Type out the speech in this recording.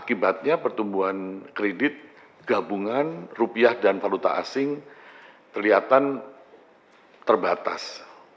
akibatnya pertumbuhan kredit gabungan rupiah dan valuta asing kelihatan terbatas